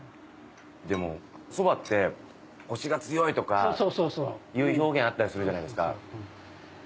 でもそばって「コシが強い」とかっていう表現あったりするじゃないですか。